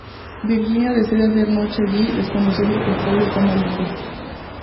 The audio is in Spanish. Virginia decide hacer noche allí, desconociendo que el pueblo está maldito.